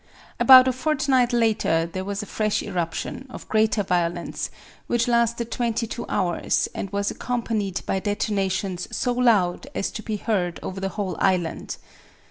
About a fortnight later there was a fresh eruption, of greater violence, which lasted twenty two hours, and was accompanied by detonations so loud as to be heard over the whole island.